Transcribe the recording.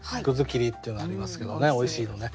切りっていうのありますけどねおいしいのね。